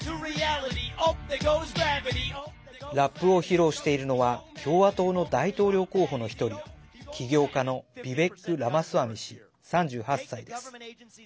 ラップを披露しているのは共和党の大統領候補の１人起業家のビベック・ラマスワミ氏３８歳です。